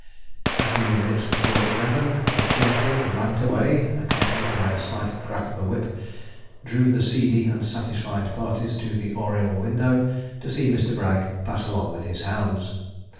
A few minutes before eleven, a 'gently, Rantaway,' accompanied by a slight crack of a whip, drew the seedy and satisfied parties to the oriel window, to see Mr. Bragg pass along with his hounds.